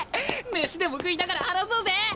飯でも食いながら話そうぜ！